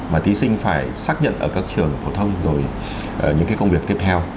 mà thí sinh phải xác nhận ở các trường phổ thông rồi những công việc tiếp theo